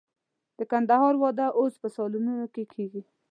د کندهار واده اوس په سالونونو کې کېږي.